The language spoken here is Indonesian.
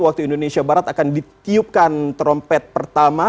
waktu indonesia barat akan ditiupkan trompet pertama